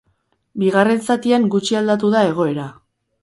Bigarren zatian gutxi aldatu da egoera.